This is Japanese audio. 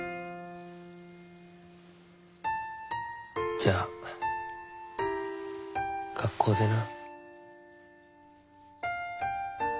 じゃあ学校でな。